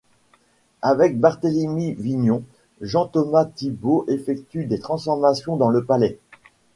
Avec Barthélemy Vignon, Jean-Thomas Thibault effectue des transformations dans le palais.